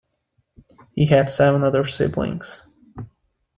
He had seven other siblings.